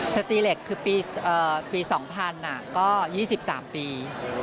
สตีเหล็กคือปี๒๐๐ก็๒๓ปี